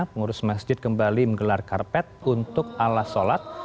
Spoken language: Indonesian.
pengurus masjid kembali menggelar karpet untuk alas solat